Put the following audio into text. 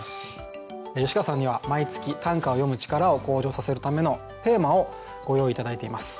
吉川さんには毎月短歌を詠む力を向上させるためのテーマをご用意頂いています。